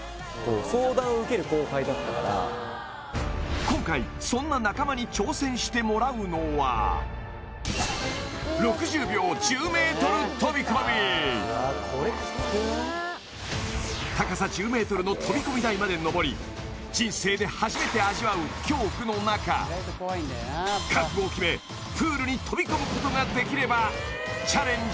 相談を受ける後輩だったから今回そんな中間に挑戦してもらうのは高さ１０ｍの飛び込み台までのぼり人生で初めて味わう恐怖の中覚悟を決めプールに飛び込むことができればチャレンジ